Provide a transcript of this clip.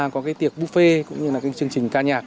có tiệc buffet chương trình ca nhạc